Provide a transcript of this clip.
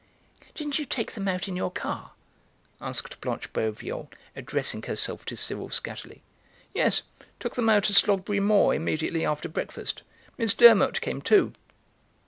"Didn't you take them out in your car?" asked Blanche Boveal, addressing herself to Cyril Skatterly. "Yes, took them out to Slogberry Moor immediately after breakfast. Miss Durmot came too."